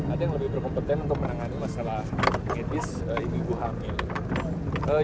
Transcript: ada yang lebih berkompetensi untuk menangani masalah etis ibu hamil